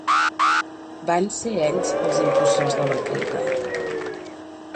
Van ser ells els impulsors de la Crida?